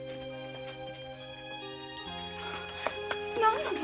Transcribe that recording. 何なの？